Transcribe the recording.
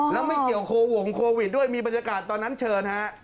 แล้วไม่เกี่ยวโควงโควิดด้วยมีบรรยากาศตอนนั้นเชิญฮะ